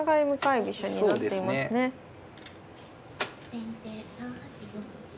先手３八玉。